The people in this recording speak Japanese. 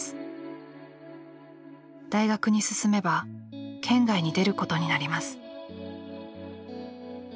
大学に進めば県外に出ることになります。